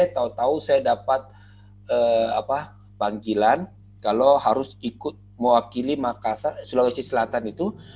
tahu tahu saya dapat panggilan kalau harus ikut mewakili makassar sulawesi selatan itu